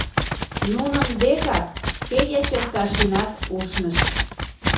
Нунын декак Федя Черкашинат ушныш.